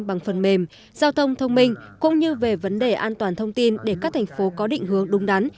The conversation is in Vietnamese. bằng phần mềm giao thông thông minh cũng như về vấn đề an toàn thông tin để các thành phố có định hướng đúng đắn